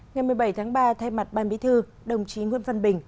ngày một mươi bảy tháng ba thay mặt ban bí thư đồng chí nguyễn văn bình